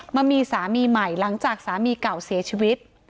มามีสามีใหม่หลังจากสามีเก่าเสียชีวิต